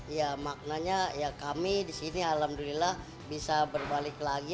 ya maknanya ya kami di sini alhamdulillah bisa berbalik lagi